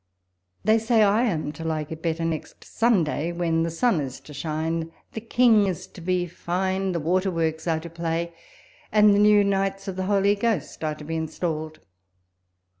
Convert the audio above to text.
They say I am to like it better next Sunday ; when the*^ sun is to shine, the king is to be fine, the water works are to play, and the new knights of the Holy Ghost are to be installed